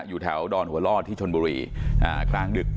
อยู่แถวดอนหัวล่อที่ชนบุรีกลางดึก